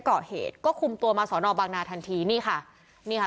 เกาะเหตุก็คุมตัวมาสอนอบางนาทันทีนี่ค่ะนี่ค่ะ